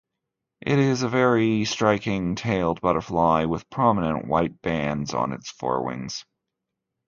It is a very striking tailed butterfly with prominent white bands on its forewings.